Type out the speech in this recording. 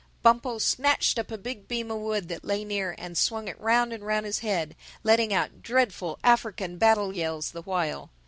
Bumpo snatched up a big beam of wood that lay near and swung it round and round his head, letting out dreadful African battle yells the while.